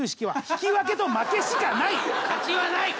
勝ちはない。